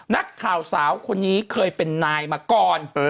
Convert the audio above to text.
นักข่าวสาวคนนี้เคยเป็นนายมาก่อน